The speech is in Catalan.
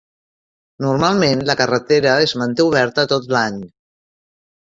Normalment, la carretera es manté oberta tot l'any.